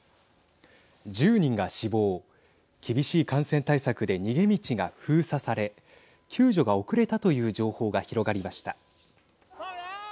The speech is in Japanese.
１０人が死亡厳しい感染対策で逃げ道が封鎖され救助が遅れたという情報が広がりました。